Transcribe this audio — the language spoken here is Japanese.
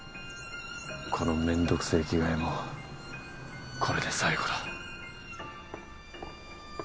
このめんどくせぇ着替えもこれで最後だ。